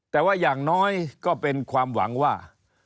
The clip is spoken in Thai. แต่ว่าอย่างน้อยก็เป็นความหวังว่า